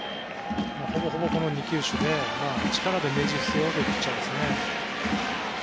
ほぼほぼこの２球種で力でねじ伏せるピッチャーですね。